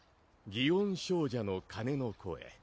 「祇園精舎の鐘の声」